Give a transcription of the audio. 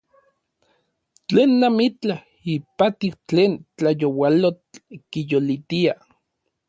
Tlen amitlaj ipati tlen tlayoualotl kiyolitia.